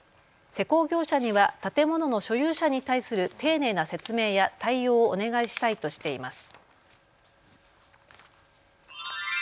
施工業者には建物の所有者に対する丁寧な説明や対応をお願いしたいとしています。